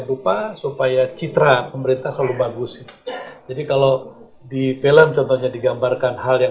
rupa supaya citra pemerintah selalu bagus jadi kalau di film contohnya digambarkan hal yang